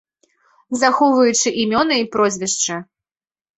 Захоўваючы імёны і прозвішчы.